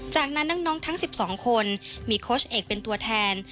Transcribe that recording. จากนั้นน้องทั้ง๑๒คนมีโค้ชเอกเป็นตัวแทน